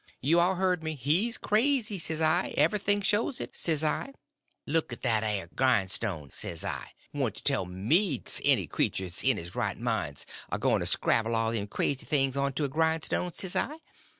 You all hearn me: he's crazy, s'I; everything shows it, s'I. Look at that air grindstone, s'I; want to tell me't any cretur 't's in his right mind 's a goin' to scrabble all them crazy things onto a grindstone, s'I?